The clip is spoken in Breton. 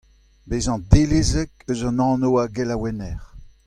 Bezañ dellezek eus an anv a gelaouenner.